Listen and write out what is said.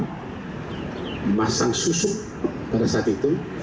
memasang susu pada saat itu